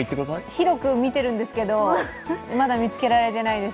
広く見ているんですけどまだ見つけられてないです。